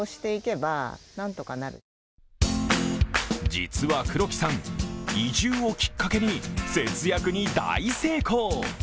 実は黒木さん、移住をきっかけに節約に大成功。